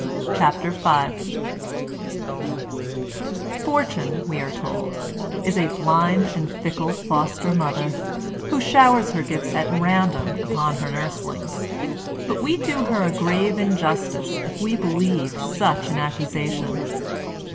CHAPTER V Fortune, we are told, is a blind and fickle foster mother, who showers her gifts at random upon her nurslings. But we do her a grave injustice if we believe such an accusation.